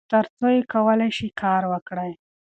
تر څو چې کولای شئ کار وکړئ.